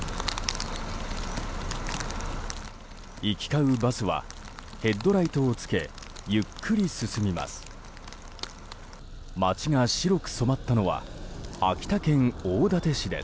行き交うバスはヘッドライトをつけゆっくり進みます。